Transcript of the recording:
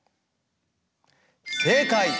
正解！